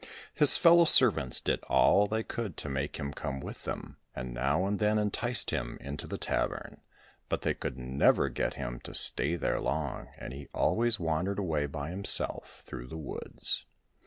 His fellow servants did all they could to make him come with them, and now and then enticed him into the tavern, but they could never get him to stay there long, and he always wandered away by himself through the woods.